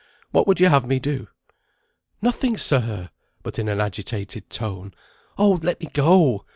What would you have me do?" "Nothing, sir! but (in an agitated tone) oh! let me go!